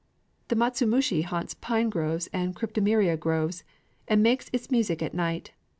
The matsumushi haunts pine woods and cryptomeria groves, and makes its music at night.